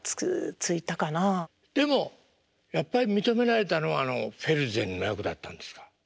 でもやっぱり認められたのはあのフェルゼンの役だったんですか？